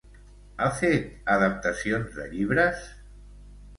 Ha fet adaptacions de llibres?